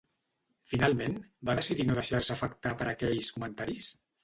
Finalment, va decidir no deixar-se afectar per aquells comentaris?